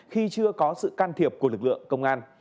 khi chưa có sự can thiệp của lực lượng công an